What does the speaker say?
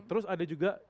terus ada juga